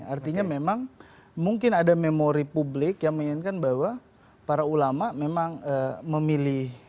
artinya memang mungkin ada memori publik yang menginginkan bahwa para ulama memang memilih